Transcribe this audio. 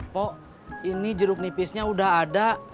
kok ini jeruk nipisnya udah ada